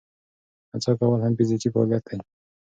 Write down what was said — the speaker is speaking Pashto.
نڅا کول هم فزیکي فعالیت دی.